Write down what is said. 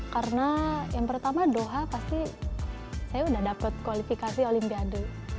karena yang pertama doha pasti saya udah dapat kualifikasi olimpiade